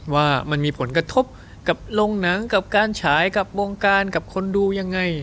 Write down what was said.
ว่ามันมีผลกระทบกับโรงหนังกับการฉายกับวงการกับคนดูยังไง